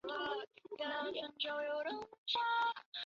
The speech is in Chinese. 娆灰蝶族是灰蝶科线灰蝶亚科里的一个族。